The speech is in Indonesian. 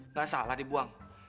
nggak salah dibuang